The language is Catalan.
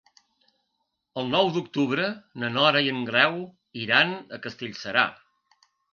El nou d'octubre na Nora i en Grau iran a Castellserà.